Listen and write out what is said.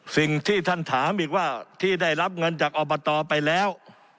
สิ่งที่ท่านถามอีกว่าที่ได้รับเงินจากอบตไปแล้ว